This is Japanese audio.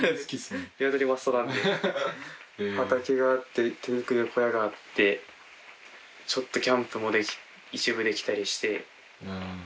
畑があって手作りの小屋があってちょっとキャンプも一部できたりして。